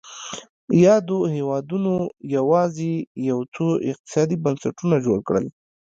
یادو هېوادونو یوازې یو څو اقتصادي بنسټونه جوړ کړل.